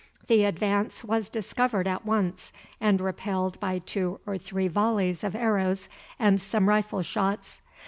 The advance was discovered at once, and repelled by two or three volleys of arrows and some rifle shots.